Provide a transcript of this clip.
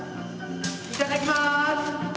いただきます！